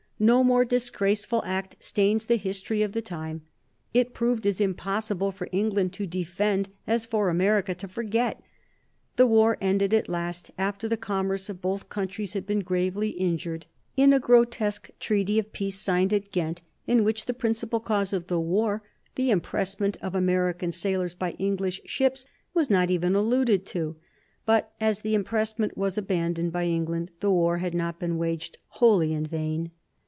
No more disgraceful act stains the history of the time. It proved as impossible for England to defend as for America to forget. The war ended at last, after the commerce of both countries had been gravely injured, in a grotesque treaty of peace, signed at Ghent, in which the principal cause of the war, the impressment of American sailors by English ships, was not even alluded to. But as the impressment was abandoned by England, the war had not been waged wholly in vain.